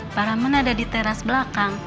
pak rahman ada di teras belakang